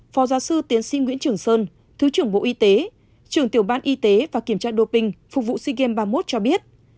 phó giáo sư tiến sinh nguyễn trường sơn thứ trưởng bộ y tế trường tiểu ban y tế và kiểm tra đô pinh phục vụ sea games ba mươi một cho biết